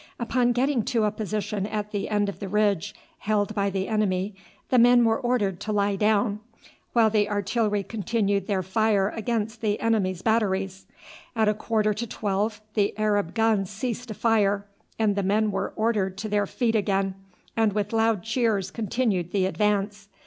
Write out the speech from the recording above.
Upon getting to a position at the end of the ridge held by the enemy the men were ordered to lie down, while the artillery continued their fire against the enemy's batteries. At a quarter to twelve the Arab guns ceased to fire, and the men were ordered to their feet again, and with loud cheers continued the advance.